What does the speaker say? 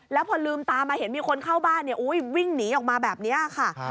แล้วพอลืมตามาเห็นมีคนเข้าบ้านวิ่งหนีออกมาแบบนี้ค่ะ